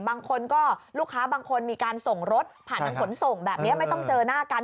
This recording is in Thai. บางคนก็รูปเข้าทางการส่งรถทางผลส่งแบบนี้ไม่ต้องเจอหน้ากัน